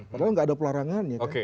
padahal nggak ada pelarangannya